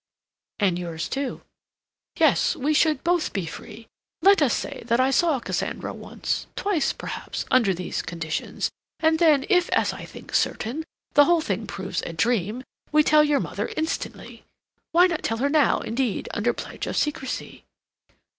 "And yours too." "Yes, we should both be free. Let us say that I saw Cassandra once, twice, perhaps, under these conditions; and then if, as I think certain, the whole thing proves a dream, we tell your mother instantly. Why not tell her now, indeed, under pledge of secrecy?"